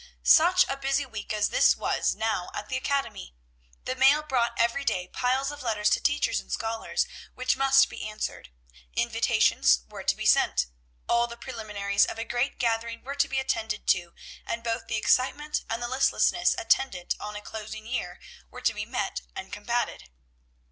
Such a busy week as this was now at the academy! The mail brought every day piles of letters to teachers and scholars, which must be answered. Invitations were to be sent. All the preliminaries of a great gathering were to be attended to, and both the excitement and the listlessness attendant on a closing year were to be met and combated.